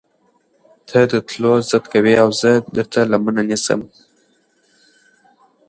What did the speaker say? تۀ د تلو ضد کوې اؤ زۀ درته لمنه نيسم